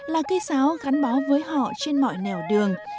là cây sáo gắn bó với họ trên mọi nẻo đường